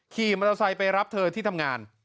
ขี่มอเตอร์ไซค์ไปรับเธอที่ทำงาน